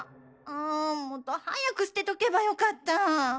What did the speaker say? あもっと早く捨てとけばよかった。